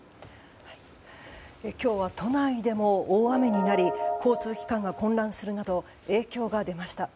今日は都内でも大雨になり交通機関が混乱するなど影響が出ました。